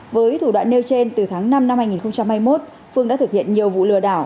với thủ đoạn nêu trên từ tháng năm năm hai nghìn hai mươi một phương đã thực hiện nhiều vụ lừa đảo